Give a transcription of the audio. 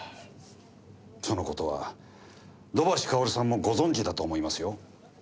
その事は土橋かおるさんもご存じだと思いますよ。